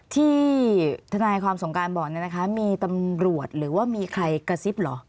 ที่ทนายความสงการบอกเนี่ยนะคะมีตำรวจหรือว่ามีใครกระซิบเหรอ